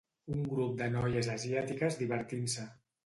Un grup de noies asiàtiques divertint-se.